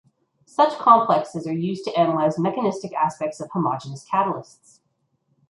Such complexes are used to analyze mechanistic aspects of homogeneous catalysts.